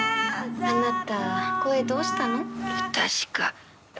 あなた声どうしたの？